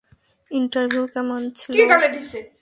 Interview কেমন ছিল?